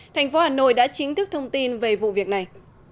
thành phố hà nội đã chính thức thông tin về vụ việc này